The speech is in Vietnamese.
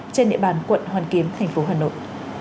trên địa bàn quận hoàn kiếm thành phố hà nội